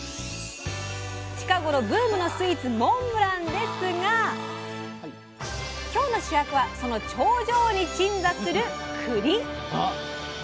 近頃ブームのスイーツモンブラン！ですが今日の主役はその頂上に鎮座する「くり」。